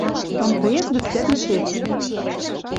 МТС гӹц дӓ тишец.